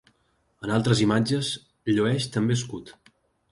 En altres imatges llueix també escut.